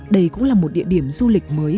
đây cũng là một địa điểm du lịch mới